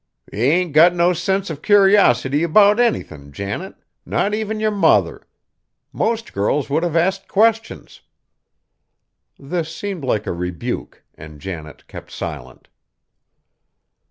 "Ye ain't got no sense of curiosity 'bout anythin', Janet not even yer mother. Most girls would have asked questions." This seemed like a rebuke, and Janet kept silent.